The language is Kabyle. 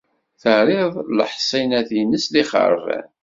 Terriḍ leḥṣinat-is d ixeṛban.